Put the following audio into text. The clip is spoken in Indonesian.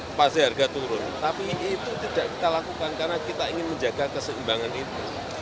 inflasi harga turun tapi itu tidak kita lakukan karena kita ingin menjaga keseimbangan itu